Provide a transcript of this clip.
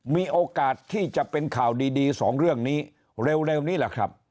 มีโอกาสที่จะเป็นข่าวดีสองเรื่องนี้เร็วนี้แหละครับ